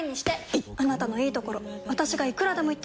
いっあなたのいいところ私がいくらでも言ってあげる！